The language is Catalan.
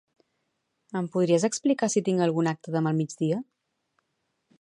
Em podries explicar si tinc algun acte demà al migdia?